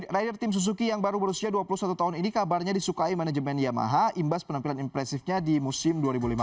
rider tim suzuki yang baru berusia dua puluh satu tahun ini kabarnya disukai manajemen yamaha imbas penampilan impresifnya di musim dua ribu lima belas